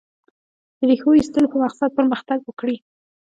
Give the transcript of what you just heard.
د ریښو ایستلو په مقصد پرمختګ وکړي.